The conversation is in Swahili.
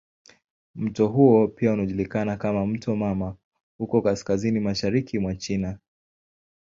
Mto huo pia unajulikana kama "mto mama" huko kaskazini mashariki mwa China.